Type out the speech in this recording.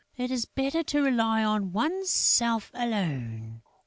It is better to rely upon one's self alone.